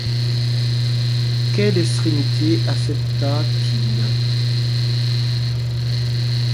Quelle extrémité accepta-t-il?